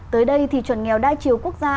tới đây thì chuẩn nghèo đa chiều quốc gia